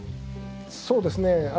そうですね。